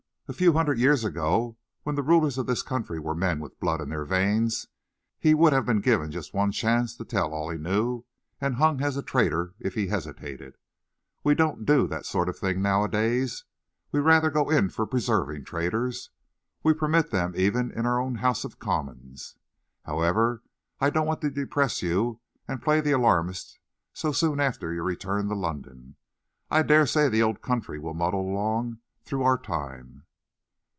A few hundred years ago, when the rulers of this country were men with blood in their veins, he'd have been given just one chance to tell all he knew, and hung as a traitor if he hesitated. We don't do that sort of thing nowadays. We rather go in for preserving traitors. We permit them even in our own House of Commons. However, I don't want to depress you and play the alarmist so soon after your return to London. I dare say the old country'll muddle along through our time."